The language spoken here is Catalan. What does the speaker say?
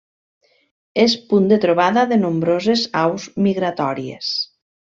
És punt de trobada de nombroses aus migratòries.